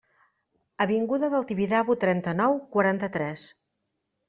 Avinguda del Tibidabo trenta-nou, quaranta-tres.